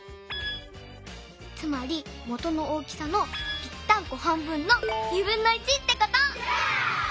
つまりもとの大きさのぴったんこ半分のってこと！